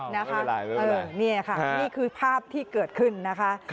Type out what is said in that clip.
นี่ค่ะนี่คือภาพที่เกิดขึ้นนะคะ